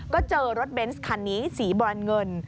ก็เจอรถเบนส์คันนี้สีบรอนเงิน